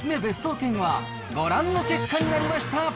ベスト１０は、ご覧の結果になりました。